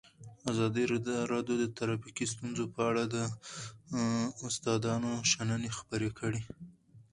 ازادي راډیو د ټرافیکي ستونزې په اړه د استادانو شننې خپرې کړي.